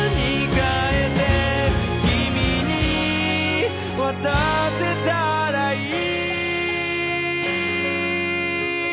「君に渡せたらいい」